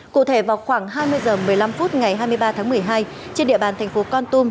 cụ thể vào khoảng hai mươi h một mươi năm phút ngày hai mươi ba tháng một mươi hai trên địa bàn thành phố con tum